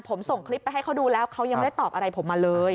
ผมส่งคลิปไปให้เขาดูแล้วเขายังไม่ได้ตอบอะไรผมมาเลย